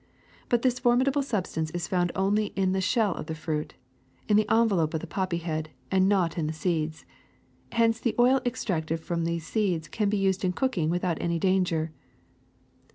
But this formidable substance is found only in the shell of the fruit, in the envelop of the poppy head, and not in the seeds. Hence the oil extracted from these seeds can be used in cooking without any danger.